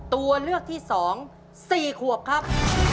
ตัวเลือกที่๒๔ขวบครับ